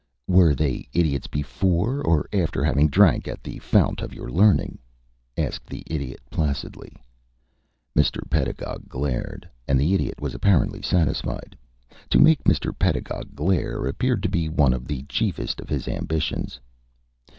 "Were they idiots before or after having drank at the fount of your learning?" asked the Idiot, placidly. Mr. Pedagog glared, and the Idiot was apparently satisfied. To make Mr. Pedagog glare appeared to be one of the chiefest of his ambitions.